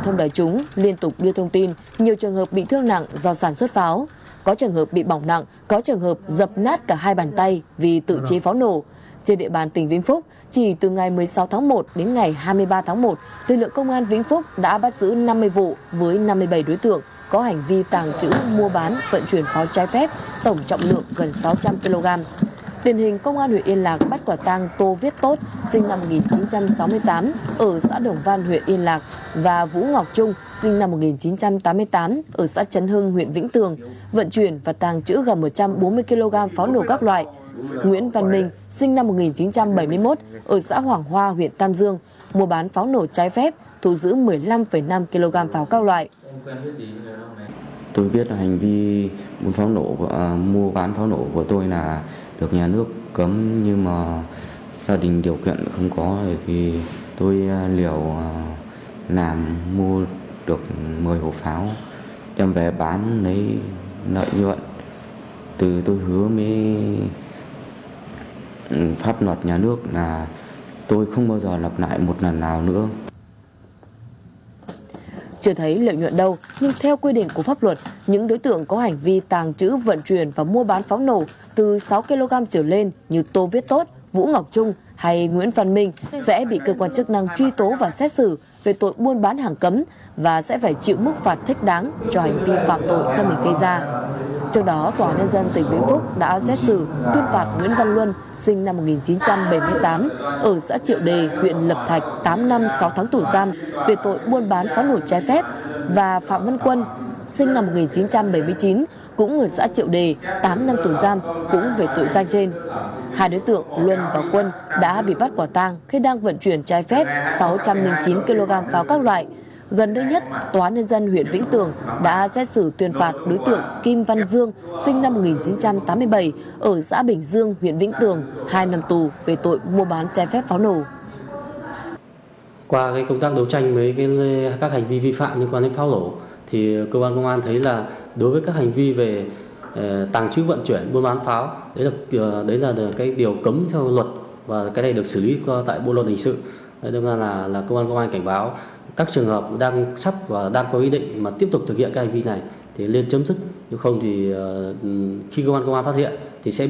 hội khẩu thường chú tại thôn cổ hiền xã hiền ninh huyện quảng ninh tỉnh quảng bình cao một m năm mươi chín sông mũi thẳng giái tai trúc và có sẹo chấm cách hai cm dưới sau đuôi lông mày phải